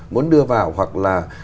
muốn đưa vào hoặc là